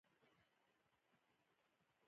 د اسلام په سياسي نظام کي د دولت د وظايفو څرنګوالۍ